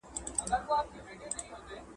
هسي نه ده چي نېستۍ ته برابر سو ..